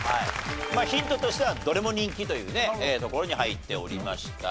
ヒントとしてはどれも人気というところに入っておりました。